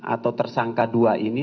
atau tersangka dua ini